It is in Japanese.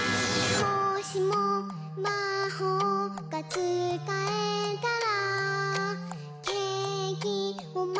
「もしもまほうがつかえたら」